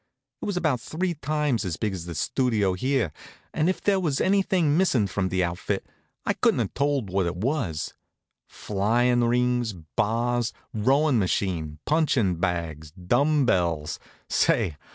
It was about three times as big as the Studio here, and if there was anything missing from the outfit I couldn't have told what it was flyin' rings, bars, rowin' machine, punchin' bags, dumb bells say!